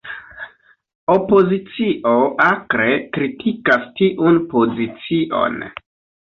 Opozicio akre kritikas tiun pozicion.